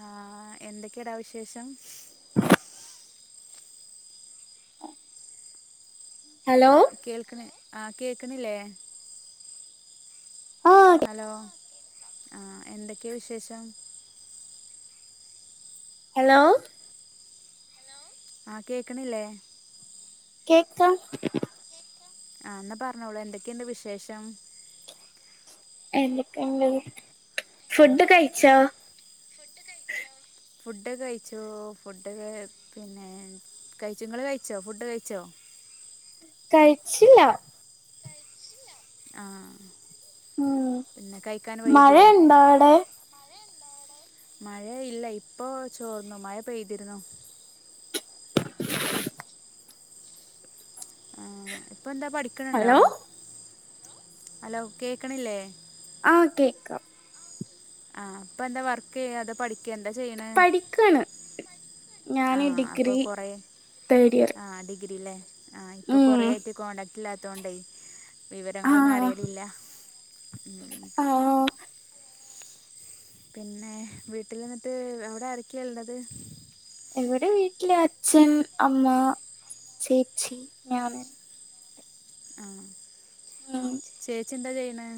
ആ എന്തൊക്കെ എടാ വിശേഷം. ഹലോ കേൾക്ക്ണ് ആ കേക്ക്ണില്ലേ. ആഹ് ഹലോ ആ എന്തൊക്കെ വിശേഷം ഹെലോ ആ കേക്ക്ണില്ലെ. കേക്കാം ആ ഇന്നാ പറഞ്ഞോളൂ എന്തൊക്കെണ്ട് വിശേഷം. എന്തൊക്കെണ്ട് ഫുഡ് കഴിച്ചോ. ഫുഡ് കഴിച്ചോ ഫുഡ് പിന്നെ കഴിച്ചുങ്ങള് കഴിച്ചോ ഫുഡ് കഴിച്ചോ. കഴിച്ചില്ല ആഹ് ഉം മഴ വൈകുമോ ഇണ്ടോ അവിടെ. മഴ ഇല്ല. ഇപ്പോ ചോർന്നു. മഴ പെയ്തിര്ന്നു. ആഹ് ഇപ്പ എന്താ പഠിക്ക്ണ് ഇണ്ടോ. ഹലോ ഹലോ കേക്ക്ണില്ലേ. ആഹ് കേക്കാം ആഹ് ഇപ്പന്താ വർക്ക് ചെയ്യ അതൊ പഠിക്ക എന്താ ചെയ്യ്ണ്. പഠിക്കാണ് ഞാന് ആഹ് അപ്പൊ ഡിഗ്രി കൊറേ. തേർഡ് ഇയർ ആഹ് ഡിഗ്രില്ലെ. ആ ഇപ്പം ഉം കൊറേ ആയിട്ട് കോൺടാക്ട് ഇല്ലാത്തോണ്ടേ വിവരങ്ങളൊന്നും ആഹ് അറയിലില്ല. ആഹ് ഓ പിന്നെ വീട്ടിൽ നിന്നിട്ട് ഔടെ ആരെക്കെ ഇള്ളത്. ഇവിടെ വീട്ടില് അച്ഛൻ അമ്മ ചേച്ചി ഞാൻ. ആഹ് ഉം ചേച്ചി എന്താ ചെയ്യ്ണെ.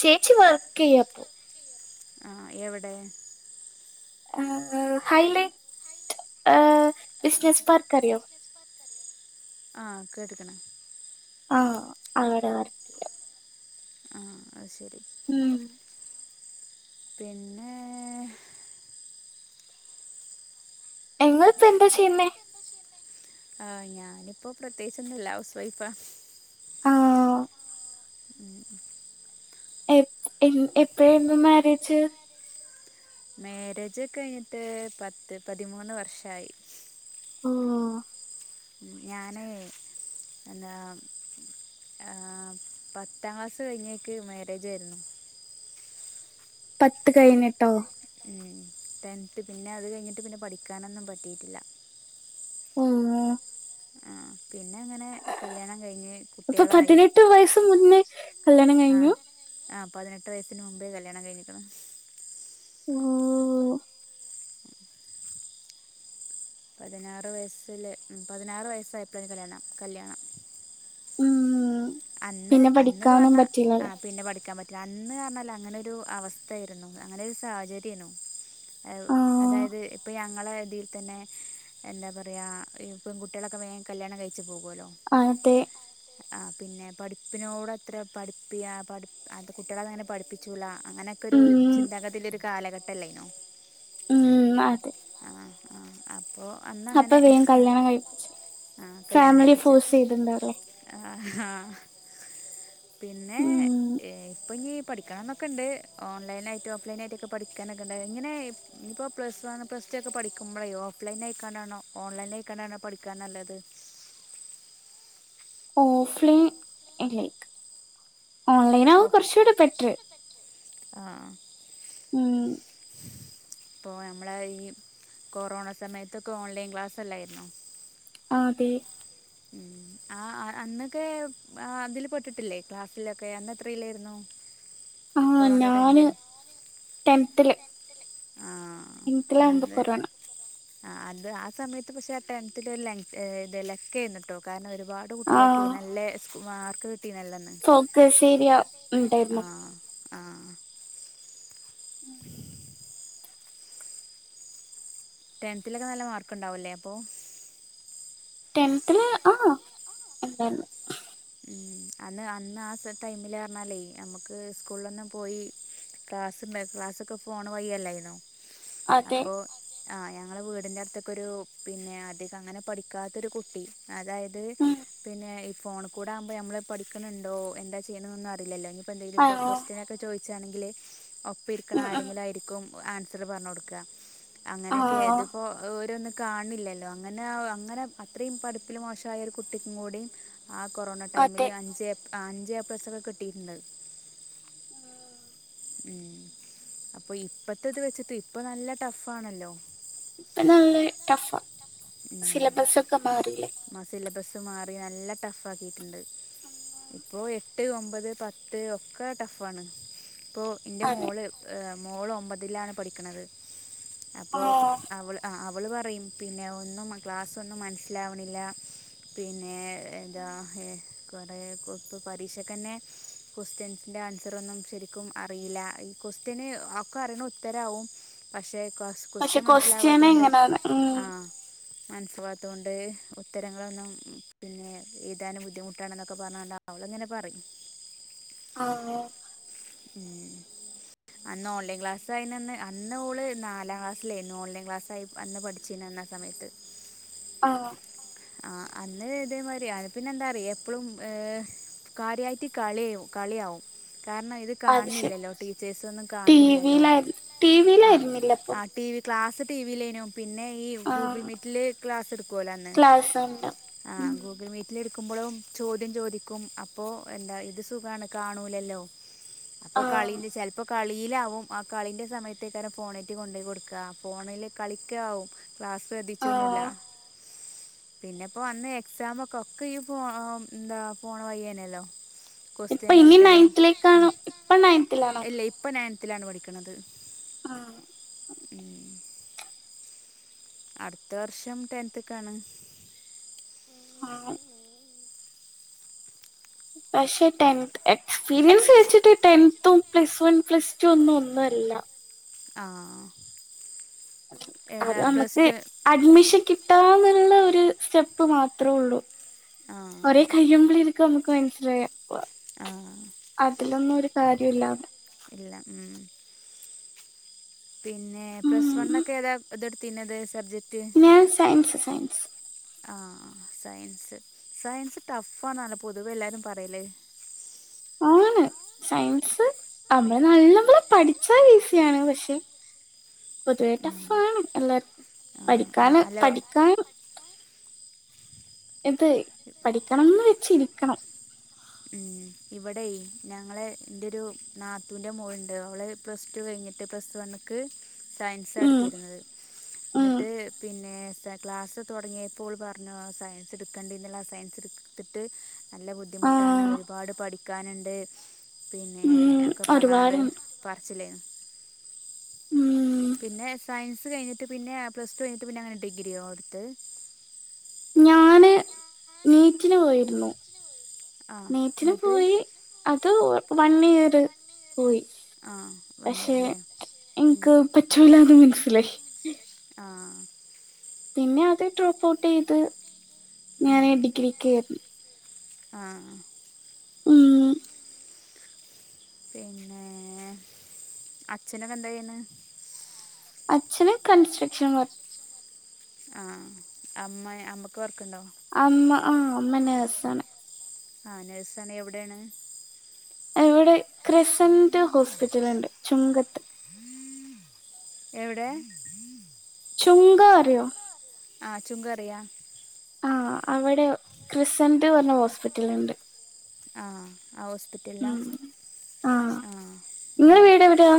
ചേച്ചി വർക്ക് ചെയ്യാപ്പം. ആ എവിടെ ഹൈലൈറ്റ് ഹ്ബിസസ് പാറ്ക്കറ്യാെ ആ കേട്ട്ക്ക്ണ്. ആഹ് ആഹാറ്ന്ന്. ആ അത് ശരി ഉം പിന്നെ നിങ്ങൾപ്പ എന്താ ചെയ്ന്നേ ആഹ് ഞാനിപ്പോ പ്രത്യേകിച്ച് ഒന്നുല്ല ഹൗസ് വൈഫാ ആഹ് [inaudible] എ എ എപ്പഴേരുന്നു മാരേജ് മേരേജ് കഴിഞ്ഞിട്ട് പത്ത് പതിമൂന്ന് വർഷായി ഓഹ് ഞാനൈ ന്താ ആഹ് പത്താം ക്ലാസ്സ് കഴിഞ്ഞേക്ക് മേരേ ജേര്ന്നു പത്ത് കഴിഞ്ഞിട്ടോ ഉം ടെൻത്ത് പിന്നെ അത് കഴിഞ്ഞിട്ട് പിന്നെ പഠിക്കാനൊന്നും പറ്റിട്ടില്ല ഓഹ് ഓഹ് പിന്നെങ്ങനെ കല്യാണം കഴിഞ്ഞ് അപ്പൊ കുട്ടികളായി പതിനെട്ട് വയസ്സ് മുന്നേ കല്യാണം കഴിഞ്ഞു ആഹ് പതിനെട്ട് വയസ്സിന് മുമ്പേ കല്യാണം കഴിഞ്ക്ക്ണ് ഓഹ് പതിനാറ് വയസ്സില് ഉം പതിനാറ് വയസ്സായപ്പള കല്യാണം കല്ല്യണം ഉം അന്ന് പിന്നെ അന്ന് പഠിക്കാനും പറഞ്ഞ പറ്റില്ലല്ലേ ആഹ് പിന്നെ പഠിക്കാ പ അന്ന് പറഞ്ഞാൽ അങ്ങനെ ഒരു അവസ്ഥേര്ന്നു അങ്ങനെ ഒരു സാഹചര്യന്നു ആഹ് അതായത് ഇപ്പ ഞങ്ങളേതിൽ തന്നെ എന്താ പറയാ ഇ പെൺ കുട്ടൊളൊക്കെ വേം കല്യാണം കഴിച്ച് പോകോലോ അതെ ആഹ് പിന്നെ പഠിപ്പിനോട് അത്ര പഠിപ്പി ആഹ് പഠി അത് കുട്ടൊളതങ്ങനെ പഠിപ്പി ച്ചൂല അങ്ങനെക്കൊരു ഉം ചിന്താഗതി ഇളെളാരു കാലഘട്ടല്ലേന്നു ഉം അതെ ആഹ് അപ്പൊ അപ്പൊ വേം കല്യാണം കഴിപ്പിച്ച് ആ ഫാമിലി ഫോഴ്സീതി ണ്ടാവുല്ലോ ആഹ് ഹാ പിന്നെ ഉം ഈ ഇപ്പ ഇഞ് പഠിക്കണംന്നൊക്കണ്ട് ഓൺലൈനായിറ്റോ ഓഫ് ലൈനായി റ്റൊക്കെ പഠിക്കാനൊക്കണ്ട് ഇങ്ങനെ ഇനിപ്പോ പ്ലസ് വ പ്ലസ് ച്ചക്കെ പഠിക്കുമ്പഴേ ഓഫ് ലൈൻ ആയിക്കാണ്ടാണോ ഓൺലൈനായിക്കണ്ടാണോ പഠിക്കാൻ നല്ലത് ഓഫ് ലൈൻ എ ലൈക്ക് ഓൺലൈനാവും ഓഫ് കൊറച്ചൂടെ ബെറ്റ്ർ ഉം ഇപ്പോ നമ്മളേ ഈ കൊറോണ സമയത്തൊക്കെ ഓൺലൈൻ ക്ലാസ്സല്ലാര്ന്നോ ആതെ ആഹ് അന്നൊക്കെ ആ അതില് പെട്ടിട്ടില്ലേ ക്ലാസ്സിലൊക്കെ അന്നത്രേ ലേര്ന്നു ആഹ് ഞാന് ടെൻത്തില് ആഹ് ടെൻത്തിലാവുമ്പോ അതേ കൊറോണ ആഹ് അത് ആ സമയത്ത് പക്ഷെ ആ ടെൻത്തില് ഒര് ലൻ ഏഹ് ഇത് ലെക്കേന്ന്ട്ടോ കാരണം ഒരുപാ ട് ആഹ് കുട്ടേൾക്കയ് നല്ലേ സ് മാർക്ക് കിട്ടി നല്ലൊന്ന് ഓക്കെ ശരിയാ ഇണ്ടാര്ന്നു ആഹ് ആഹ് ടെൻത്തിലൊക്കെ നല്ല മാർക്ക് ഇണ്ടാവുല്ലേ അപ്പോ. ടെൻത്ത്ല്. ആഹ് ഉം അന്ന് അന്ന് ആ സ് ടൈമില് അർഞ്ഞാലേയ് ഞമ്മ്ക്ക് സ്കൂൾളൊന്നും പോയി ക്ലാസ് ഇണ്ടായ്ട്ട്ല്ലാ ക്ലാസ്സൊക്കെ ഫോണ് വഴി എല്ലായ്ന്നോ അതെ അപ്പൊ ആഹ് ഞങ്ങളെ വീടിന്റെ അടുത്ത്ക്കെരു പിന്നെ അതികം അങ്ങനെ പഠിക്കാത്തൊരു കുട്ടി അതായത്, ഉം പിന്നെ ഈ ഫോണ് ക്കൂടെ ആവ്മ്പൊ ഞമ്മള് പഠിക്ക്ണ് ണ്ടോ എന്താ ചെയ്യ്ണ്ന്നൊന്നും അറിലല്ലോ ഇഞ് പ്പ ആ എന്തേലുപ്പൊ കൊസ്റ്റിനൊക്കെ ചോയ്ച്ചാണെങ്കില് ഒപ്പ ഇരിക്ക്ണ ഉം ഉം ആരെങ്കിലും ആയിരിക്കും ആൻസറ് പർഞ്ഞൊട്ക്കാ ആ അങ്ങനെയെക്കെയാ. ഇത്പ്പോ അഹ് ഒരൊന്നും കാൺണില്ലല്ലോ. അങ്ങനെ അങ്ങനെ അത്രയും പഠിപ്പില് മോശായൊരു കുട്ടിക്കും കൂടിം കൊറോണ ടൈമില് അതെ അഞ്ച് ഏപ് അഞ്ച് ഏപ്ലസ്സൊക്കെ കിട്ടിട്ട്ണ്ട് ഉം ഉം. അപ്പൊ ഇപ്പത്തെ ഇത് വെച്ചിട്ട് ഇപ്പ നല്ല ടഫാണല്ലോ ഇപ്പ നല്ലെ ടഫാ. സിലബസ്സൊക്കെ മാറീലേ ആഹ് സിലബസ് മാറി. നല്ല ടഫ് ആക്കിട്ട്ണ്ട്. ഇപ്പോ എട്ട്, ഒമ്പത്, പത്ത് ഒക്കെ ടഫാണ്. ഇപ്പോ ഇൻ്റെ അതെ മോള് മോള് ഒമ്പതിലാണ് പഠിക്ക്ണത്. ആ അപ്പോ അവള് ആഹ് അവള് പറയും, പിന്നെ ഒന്നും ക്ലാസ് ഒന്നും മൻസ്സിലാവ്ണി ല്ല. പിന്നെ എന്താ എ കൊറേ കൊ പ്പൊ പരീക്ഷെക്കെന്നെ ക്വസ്റ്റ്യൻസിന്റെ ആൻസറൊന്നും ശരിക്കും അറിയില്ല. ഈ ക്വസ്റ്റ്യന് ഒക്കെ അറീണ ഉത്തരാവും. പക്ഷെ കസ് പക്ഷെ ക്വസ്റ്റ്യൻ മനസ്സിലാവാത്തോണ്ട് എങ്ങനാണ് ഉം ആഹ് മൻസ് വാത്തോണ്ട് ഉത്തരങ്ങളൊന്നും പിന്നെ എഴ്താന് ബുദ്ധിമുട്ടാണ് ന്നൊക്കെ പർഞ്ഞ്ങ്ങാണ്ട് അവള് ഇങ്ങനെ പറിം ആണ് ഉം അന്ന് ഓൺലൈൻ ക്ലാസ് അയിനന്ന് അന്ന് ഓള് നാലാം ക്ലാസ്സിലേയ്ന്നു. ഓൺലൈൻ ക്ലാസ്സായി അന്ന് പഠിച്ചിനന്നാ സമയത്ത്. ആഹ് ആഹ് അന്ന്കെ ഇതേമാരിയാ. പിന്നെ എന്താറിയ് എപ്പളും ഏഹ് കാര്യായ്ട്ട് കളിയും കളിയാവും. കാരണം ഇത് അത് ശരി കാൺണില്ലല്ലോ. ടീച്ചേസൊന്നും ടി കാൺണില്ലല്ലോ. വിയിലായിരുന്നു ടി ആഹ് വിയിലായിരുന്നില്ല അപ്പൊ ആഹ് T V class T V ലേനു. പിന്നെ ഈ ആ ഗൂഗിൾ മീറ്റില് ക്ലാസ് ഇട്ക്കോലോ അന്ന്. സണ്ടാം ആഹ് ഗു ഗിൾ മീറ്റിലിരിക്കുമ്പഴും ചോദ്യം ചോദിക്കും. അപ്പോ എന്താ ഇത് സുഖാണ് കാണൂലല്ലോ. അപ്പൊ ആ കളില് ചെൽപ്പം കളീലാവും. ആ കളിന്റെ സമയത്തേക്കാരം ഫോണേറ്റ് കൊണ്ടോയ് കൊട്ക്കാ ഫോണില് കളിക്കാവും ക്ലാസ് ആ ശ്രദ്ധിച്ചൊന്നുല്ല. പിന്നെപ്പോ അന്ന് എക്സാമൊക്കെ ഒക്കെ ഈ ഫോ ന്താ ഫോണ് വഴേയ്നല്ലോ. ഇപ്പൊ ക്വൊസ്റ്റ്യൻ ഇനി വിട്ടെരും. ഉം നയൻത്തിലേക്കാണോ ഇപ്പൊ നയൻത്തിലാണോ അല്ല ഇപ്പൊ നയൻത്തിലാണ് പഠിക്ക്ണത്. ആഹ് അട്ത്ത വർഷം ടെൻത്ത്ക്കാണ്. ആഹ് പക്ഷേ ടെൻ എക്സ്പീരിയൻസ് വെച്ചിട്ട് ടെൻത്തും പ്ലസ് വൺ, പ്ലസ് റ്റു ഒന്നും ഒന്നു അല്ല ആഹ് അത് പ്ലസ് അമ്മക്ക് ടു അഡ്മിഷൻ കിട്ടാന്ന്ള്ളൊര് സ്റ്റെപ്പ് മാത്രോള്ളു ആ ഒരേ കഴിയുമ്പളേര്ക്കും അമ്മെക്ക് മനസ്സിലാവാ വാ ആഹ് അതിലൊന്നും ഒരു കാര്യൊയില്ലാന്ന് ഇല്ല ഉം പിന്നെ പ്ലസ് വൺ ഉം ഒക്കെ ഏതാ ഇതെടുത്തിനത് സബ്ജക് ഞാൻ സയൻസ് സയൻസ് ആഹ് സയൻസ് സയൻസ് ടഫാന്നാണ്ല്ലോ പൊതുവെ എല്ലാരും പറയല് ആണ് സയൻസ് അമ്മെള് നല്ലമ്പോലെ പഠിച്ചാ ഈസിയാണ് പക്ഷേ പൊതുവേ ഉം. ടഫാണ് എല്ലാർക്കും ആ ആ പഠിക്കാന് അല്ല പഠിക്കാൻ ഇത് പഠിക്കണെന്ന് വെച്ചിരിക്കണം ഉം ഇവടെയി ഞങ്ങളെ ഇൻ്റെരു നാത്തൂൻ്റെ മോള്ണ്ട് അവള് പ്ലസ് ടു കഴിഞ്ഞിട്ട് പ്ലസ് വണ്ണ്ക്ക് സയൻസാ ഉം എട്ത്തീര്ന്നത് ഉം എന്നിട്ട് പിന്നേയത്താ ക്ലാസ്സ് തൊടങ്ങിയപ്പോ ഓള് പറഞ്ഞു സയൻസ് ഇട്ക്കേണ്ടീര്ന്നില്ല സയൻസ് ഇട് ത്തിട്ട് നല്ല ബുദ്ധി മുട്ടാണ് ആഹ് ഒരു പാട് പഠിക്കാന്ണ്ട് പിന്നെ ഉം ഒക്കെ പറഞ്ഞാണ്ട് ഒരുപാടുണ്ട് പറച്ചിലേന്ന് ഉം പിന്നെ സയൻസ് കഴിഞ്ഞിട്ട് പിന്നെയാ പ്ലസ് ടു കഴിഞ്ഞിട്ട് പിന്നെ അങ്ങനെ ഡിഗ്രിയോ ഓഹ് ഇട്ത്തേ ഞാന് നീറ്റിന് പോയിരുന്നു. ആ നീറ്റിന് എന്നിട്ട് പോയി അത് വ വൺ ഇയറ് പോയി ആഹ് വൺ ഇയറ്ല്ലേ ഉം പറ്റൂല്ലാന്ന് മന്സ്സിലായി ആഹ് പിന്നെ അത് ഡ്രോപ്പ് ഔട്ടെയ്ത് ഞാൻ ഡിഗ്രിക്ക് ഉം ആഹ് ഉം പിന്നേ അച്ഛനെക്കെ എന്താ ചെയ്യ്ന്നേ അച്ഛന കൻസ്ട്രക്ഷൻ വർ ആഹ് അമ്മയേ അമ്മക്ക് വർക്ക്ണ്ടോ അമ്മ ആഹ് അമ്മ നേഴ്സാണ് ആഹ് നഴ്സാണ് എവിടേണ് ഇവടെ ക്രിസന്റ് ഹോസ്പിറ്റല്ണ്ട് ചുങ്കത്ത് എവടെ ചുങ്കറിയോ ആഹ് ചുങ്കറിയാ ആഹ് അവടെ ക്രിസന്റ് പറഞ്ഞ ഹോസ്പിറ്റല്ണ്ട് ആഹ് ആ ഹോസ്പി ഉം ആഹ് ഇങ്ങളെ വീട് എവിടെയാ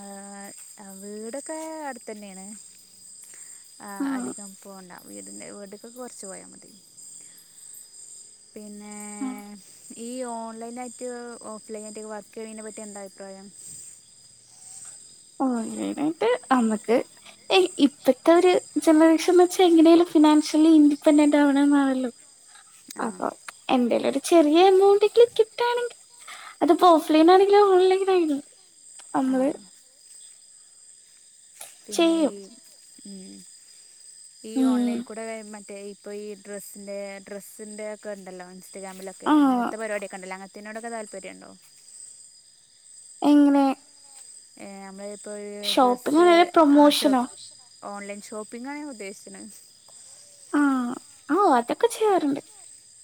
ആഹ് ആഹ് വീടെക്കെ അട്ത്തന്നേണ് ആഹ് ആ അധികം പോവണ്ട വീട്ന്റെ വീട്ക്കൊക്കെ കൊറച്ച് പോയാ മതി പിന്നെ ഈ ഓൺലൈനായിട്ട് ഓഫ് ലൈനായിട്ടക്കെ വർക്കെയ്യിനെ പറ്റി എന്താ അഭിപ്രായം ഓൺലൈനായിട്ട് അമ്മക്ക് ഏഹ് ഇപ്പത്തൊര് ജനറേഷൻ എന്ന് വെച്ചാ എങ്ങനേലും ഫിനാൻഷ്യലി ഇൻഡിപെൻഡന്റ് ആവണന്നാണല്ലോ ആ അപ്പൊ, എന്തേലൊരു ചെറിയ എമൗണ്ടെങ്കിലും കിട്ടാണെങ്കി അത്പ്പൊ ഓഫ് ലൈനാണെങ്കിലും ഓൺലൈനേനു. ആ അമ്മള് പിന്നെ ചെയ്യും ഈ ഉം. ഈ ഉം ഓൺലൈൻക്കുടെ മറ്റേ ഇപ്പൊ ഈ ഡ്രസ്സിൻ്റേ, ഡ്രസ്സിൻ്റേക്കെ ഇണ്ടല്ലോ ഇസ്റ്റഗ്രാമിലൊക്കെ. ആഹ് അങ്ങനത്തെ പരിപാടിയൊക്കെ ഇണ്ടല്ലോ, അങ്ങൻ ത്തി നോട്ക്കെ താല്പര്യണ്ടോ? എങ്ങനെ? ഏഹ് നമ്മള് ഇപ്പൊര് ഡ്രസ്സ്... ഷോപ്പിംഗ് ആഹ് പ്രൊമോഷനോ ഷോപ്പ് ഓൺലൈൻ ഷോപ്പിങ്ങാ ഞാൻ ഉദ്ദേശിക്ക്ണ്. ആഹ് ആ അതൊക്കെ ചെയ്യാറ്ണ്ട്.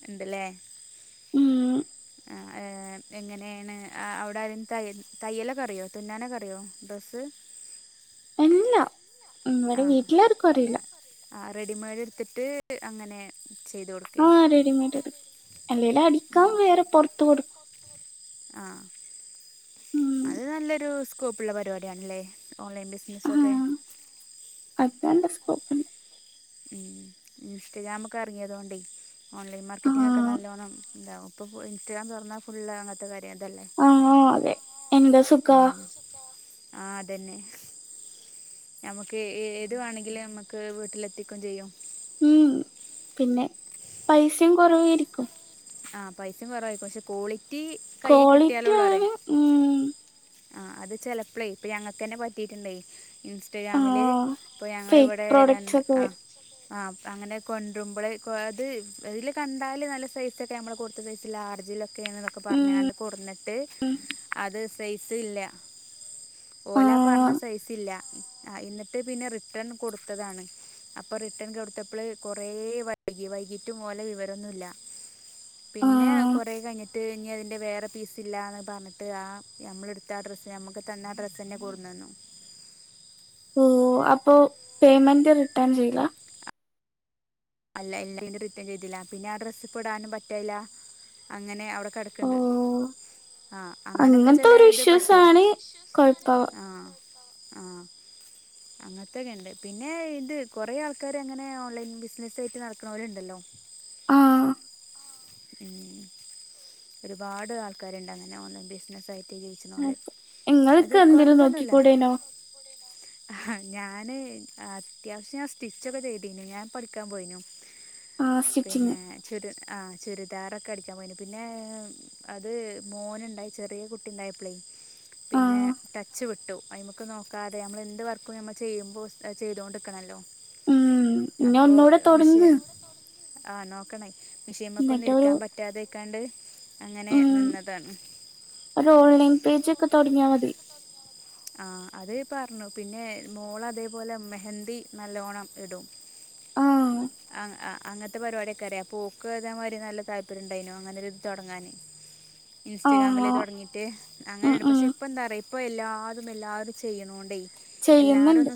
ഇണ്ട്ലേ ഊം. അ ഏഹ് ഇന്ന്ട്ടെങ്ങനേണ്, ആ അവ്ടെ ആരേം തയൽ, തയ്യലൊക്കറിയോ, തുന്നാനൊക്കറിയോ ഡ്രസ്സ്? എല്ലാ, ഉം ഇവടെ ആഹ് വീട്ടിലാർക്കും അറീല. ആഹ് റെഡിമെയ്ഡ്ട്ത്ത്ട്ട് അങ്ങനെ ചെയ്ത് കൊടു ആഹ് റെഡിമെയ്ഡ്. അല്ലേലും അടിക്കാൻ വേറെ പൊർത്ത് കൊടുക്കു ആഹ് ഉം അത് നല്ലൊരു സ്കോപ്പ്ള്ള പരിപാടിയാണ്ലേ? ഓൺലൈൻ ബിസിനസ്സൊക്കെ [unintelligible] സ്കോപ്പ് ഉം ഇൻസ്റ്റഗ്രാമൊക്കെ അർങ്ങ്യേതോണ്ടെയ് ഓൺലൈൻ മാർക്കറ്റിങ്ങൊക്കെ ആഹ് നല്ലോണം ഇണ്ടാവും. ഇപ്പൊ ഫുൾ ഇൻസ്റ്റഗ്രാം തൊർന്നാൽ ഫുള്ള് അങ്ങത്തെ കാര്യം ഇതല്ലേ. ആഹ് അതെ. എന്താ സുഖാ ഉം. ആഹ് അതെന്നെ. നമുക്ക് ഏതുവാണെങ്കിലും നമുക്ക് വീട്ടിലെത്തിക്കും ചെയ്യും. ഉം പിന്നെ, പൈസിം കൊറവേയിരിക്കും. ആഹ് പൈസിം കൊറവായിരിക്കും പക്ഷെ, ക്വാളിറ്റീ ക്വാളിറ്റ്യാണ് ഊം. ആഹ് അത് ചെലപ്പളേ ഇപ്പ ഞങ്ങക്കെന്നെ പറ്റീറ്റ്ണ്ടായി. ഇൻസ് ൻസ്റ്റഗ്രാമില്, ആഹ് ഇപ്പൊ ഞങ്ങള് ഫേക്ക് വടെ പ്രോഡക്ട്സ് രണ്ട് ഒക്കെ ആ വരും ആഹ് അങ്ങനെ കൊണ്ട്രുമ്പള്, കൊ അത് അതില് കണ്ടാല് നല്ല സൈ സൊക്കെ നമ്മള് കൊടുത്ത് സൈസ് ലാർജിലൊക്കെ ന്നൊക്കെ ഉം പറഞ്ഞാണ്ട് കൊട്ന്ന്ട്ട് അത് സൈസ് ഇല്ല. ഓലാ പർഞ്ഞ ആഹ് സൈസില്ല. ആ ഇന്ന്ട്ട് പിന്നെ റിട്ടൺ കൊടുത്തതാണ്. അപ്പൊ റിട്ടൺ കൊടുത്തപ്പ്ള് കൊറേ വൈകി, വൈകീട്ടും ഓലെ വിവരൊന്നൂല്ലാ. പിന്നെ ആഹ് കൊറേ കയ്ഞ്ഞ്ട്ട്, ഇഞ്ഞേതെ വേറെ പീസില്ലാന്ന് പർഞ്ഞ്ട്ട് ആ നമ്മള്ട്ത്ത ആ ഡ്രസ്സെന്നെ, നമ്മക്ക് തന്ന ആ ഡ്രസ്സെന്നെ കൊട്ന്നെന്നു. ഓഹ് അപ്പൊ പേയ്മെന്റ് റിട്ടേൺ ചെയ്ലാ? അല്ല എല്ലാ [unintelligible] ന്റെ റിട്ടേൺ ചെയ്തീല. പിന്നെ ആ ഡ്രസ്സ്പ്പടാനും പറ്റല് ല്ലാ. അങ്ങനെ ഔടെ കെട് ക്കെണ്ട്. ഓഹ് ആ അങ്ങനൊക്കെ അങ്ങനത്തെ ഒരു ചെലേത് ഇഷ്യൂസ് പറ്റും. ആണ് കൊഴപ്പാവ ആഹ് ആഹ്. അങ്ങൻത്തെക്കെണ്ട്, പിന്നേ ഇത് കൊറേ ആൾക്കാര് അങ്ങനെ ഓൺലൈൻ ബിസിനസ് സ്സേയ്ട്ട് നടക്ക്ണോല്ണ്ടല്ലൊ ആഹ് ഊം ഒരുപാട് ആൾക്കാര്ണ്ടങ്ങനെ ഓൺലൈൻ ബിസിനസ്സായിട്ട് ജീവിച്ച് അതെ ക്ക്ണോല്. അത് ഇങ്ങൾക്ക് എന്തേലും കൊഴപ്പൊന്നുല്ല നോക്കിക്കൂടേനോ ആ ഞാന് അത്യാവശ്യം ഞാൻ സ്റ്റിച്ചൊക്കെ ചെയ്തിനു ഞാൻ പഠിക്കാൻ പോയിനു ആഹ് സ്റ്റിച്ചിങ് പിന്നെ ചുര് ആ ചുരിദാറൊക്കെ അടിക്കാൻ പോയ്ന് പിന്നെ പിന്നെ അത് മോനുണ്ടായി ചെറിയ കുട്ടിണ്ടായപ്ളേയ് പിന്നെ ആഹ് ടച്ച് വിട്ടു അയ്മെക്ക് നോക്കാതെ അമ്മള് എന്ത് വർക്കും നമ്മൾ ചെയ്യുമ്പോൾ ചെയ്തൊണ്ട്ക്കണല്ലോ ഉം ഇഞ്ഞൊന്നൂടെ തൊട്ങ്ങ് ആ നോക്കണേ മിഷേൻമക്കൊന്നും എന്നിട്ടൊരു ഇരിക്കാൻ പറ്റാതെയ്ക്കാണ്ട് അങ്ങനെ ഉം നിന്നതാണ് ഒരു ഓൺലൈൻ പേജൊക്കെ തൊടങ്ങിയാ മതി ആ അത് പറ്ഞ്ഞു പിന്നെ മോള് അതേപോലെ മെഹന്തി നല്ലോണം ഇടും ആഹ് ആ അ അങ്ങൻത്തെ പരിപാടിയൊക്കെ അറിയാ അപ്പോക്ക് ഇതേ മാരി നല്ല താല്പര്യംണ്ടായിനു അങ്ങനെരിത് തൊടങ്ങാന് ഇൻസ്റ്റഗ്രാമില് ആഹ് തൊടങ്ങിട്ട് ഉം അങ്ങനെയണ്ട് ഉം പക്ഷെ ഇപ്പം എന്താറയ്വൊ ഇപ്പൊ എല്ലാരും എല്ലാരും ചെയ്യുണോണ്ടേ ചെയ്യുന്നുണ്ട്